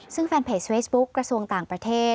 ซึ่งแฟนเพจเฟซบุ๊คกระทรวงต่างประเทศ